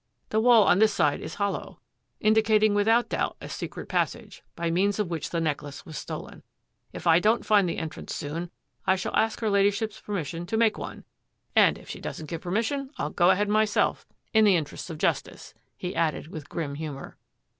" The wall on this side is hollow, indicating without doubt a secret passage, by means of which the necklace was stolen. If I don't find the entrance soon, I shall ask her Lady ship's permission to make one; and if she doesn't give permission, I'll go ahead myself — in the interests of justice," he added with grim hu mour.